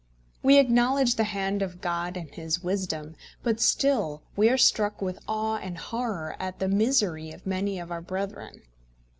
We acknowledge the hand of God and His wisdom, but still we are struck with awe and horror at the misery of many of our brethren.